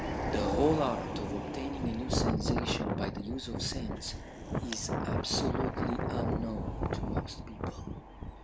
"'The whole art of obtaining a new sensation by the use of scents is absolutely unknown to most people.